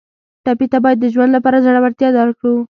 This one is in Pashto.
ټپي ته باید د ژوند لپاره زړورتیا ورکړو.